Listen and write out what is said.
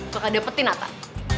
bakal dapetin nathan